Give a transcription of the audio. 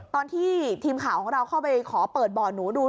ตอนที่ทีมข่าวของเราเข้าไปขอเปิดบ่อหนูดู